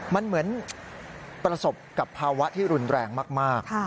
มันเหมือนประสบกับภาวะที่รุนแรงมาก